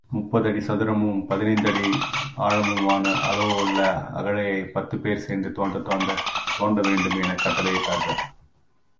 முப்பதடி சதுரமும், பதினைந்து அடி ஆழமுமான அளவுள்ள அகழைப் பத்துப் பேர் சேர்ந்து, தோண்ட வேண்டும் எனக் கட்டளையிட்டார்கள்.